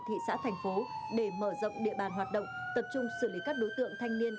thị xã thành phố để mở rộng địa bàn hoạt động tập trung xử lý các đối tượng thanh niên